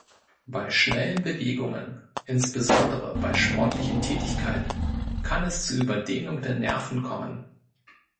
Bei schnellen Bewegungen, insbesondere bei sportlichen Tätigkeiten kann es zu Überdehnung der Nerven kommen.